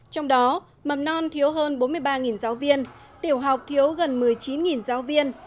trong đó mầm non thiếu hơn bốn mươi ba giáo viên tiểu học thiếu gần một mươi chín giáo viên